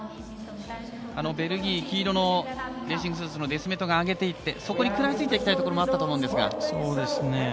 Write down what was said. ベルギー黄色のレーシングスーツのデスメトが上がって食らいついていきたいところもあったと思うんですが。